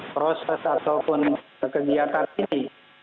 proses ataupun kegiatan ini